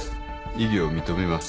異議を認めます。